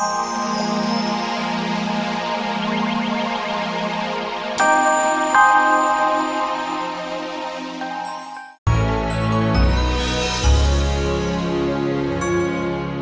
kau mencari saya untuk melarang mereka